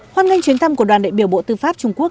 hoan nghênh chuyến thăm của đoàn đại biểu bộ tư pháp trung quốc